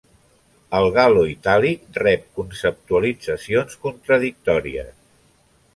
El gal·loitàlic rep conceptualitzacions contradictòries.